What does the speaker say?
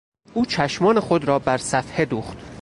او چشمان خود را بر صفحه دوخت.